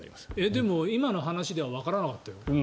でも今の話ではわからなかったよ。